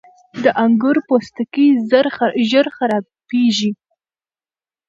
• د انګور پوستکی ژر خرابېږي.